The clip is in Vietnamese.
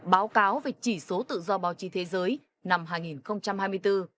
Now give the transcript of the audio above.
báo cáo về chỉ số tự do báo chí thế giới năm hai nghìn hai mươi bốn